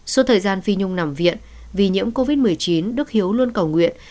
suốt thời gian phi nhung nằm viện vì nhiễm covid một mươi chín đức hiếu luôn cầu nguyện